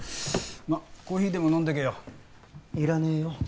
まあコーヒーでも飲んでけよいらねえよ